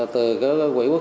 từ cái quỹ quốc